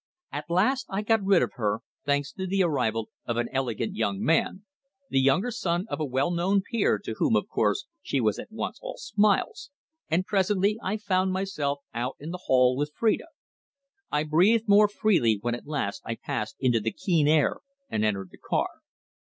At last I got rid of her, thanks to the arrival of an elegant young man, the younger son of a well known peer, to whom, of course, she was at once all smiles, and, presently, I found myself out in the hall with Phrida. I breathed more freely when at last I passed into the keen air and entered the car.